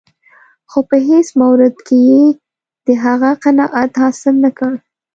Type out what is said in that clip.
خو په هېڅ مورد کې یې د هغه قناعت حاصل نه کړ.